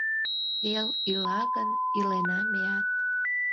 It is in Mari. Эл ила гын, илена меат.